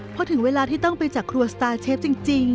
พอถึงเวลาที่ต้องไปจากครัวสตาร์เชฟจริง